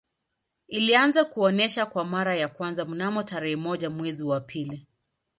Ilianza kuonesha kwa mara ya kwanza mnamo tarehe moja mwezi wa pili